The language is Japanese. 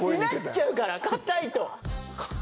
なっちゃうから硬いと。